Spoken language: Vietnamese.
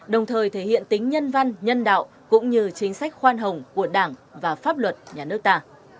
đồng thời thể hiện tính nhân văn nhân đạo cũng như chính sách khoan hồng của đảng và pháp luật nhà nước ta